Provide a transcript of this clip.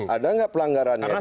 ada tidak pelanggarannya di situ